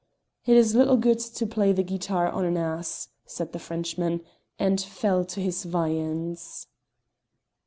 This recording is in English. "It is little good to play the guitar to an ass," said the Frenchman, and fell to his viands.